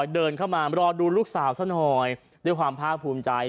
เดินเข้ามารอดูลูกสาวซะหน่อยด้วยความภาคภูมิใจ